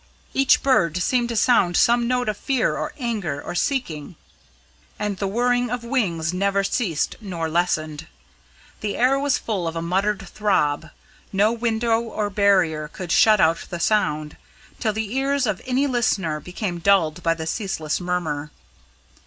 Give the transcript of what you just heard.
Each bird seemed to sound some note of fear or anger or seeking, and the whirring of wings never ceased nor lessened. The air was full of a muttered throb. No window or barrier could shut out the sound, till the ears of any listener became dulled by the ceaseless murmur.